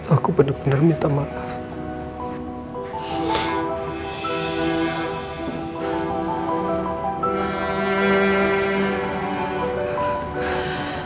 aku benar benar minta maaf